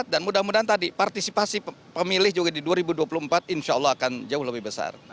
dan mudah mudahan tadi partisipasi pemilih juga di dua ribu dua puluh empat insya allah akan jauh lebih besar